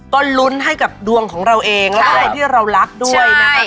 ก็ลุ้นให้กับดวงของเราเองแล้วก็คนที่เรารักด้วยนะคะ